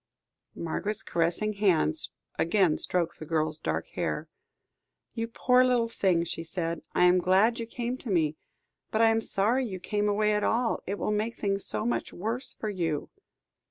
Margaret's caressing hand again stroked the girl's dark hair. "You poor little thing," she said. "I am glad you came to me, but I am sorry you came away at all. It will make things so much worse for you."